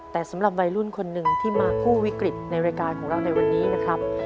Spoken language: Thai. แต่สำหรับวัยรุ่นคนหนึ่งที่มากู้วิกฤตในรายการของเราในวันนี้นะครับ